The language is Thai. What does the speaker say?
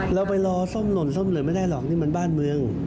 เราไปรอส้มหล่นส้มเหลือไม่ได้หรอกนี่มันบ้านเมือง